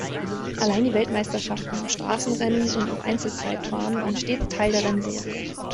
Allein die Weltmeisterschaften im Straßenrennen und im Einzelzeitfahren waren stets Teil der Rennserie.